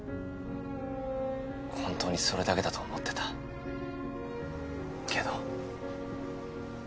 本当にそれだけだと思ってたけど。